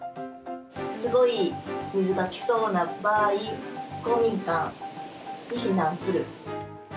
すごい水がきそうな場合公民館に避難する。